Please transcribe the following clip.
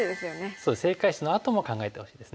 そう正解手のあとも考えてほしいですね。